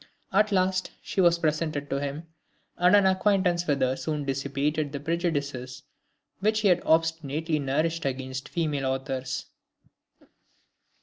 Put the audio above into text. At last she was presented to him, and an acquaintance with her soon dissipated the prejudices which he had obstinately nourished against female authors.